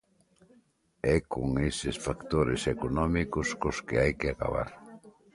É con eses factores económicos cos que hai que acabar.